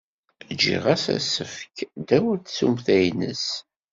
Jjiɣ-as asefk ddaw tsumta-nnes.